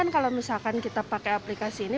kalau misalkan kita pakai aplikasi ini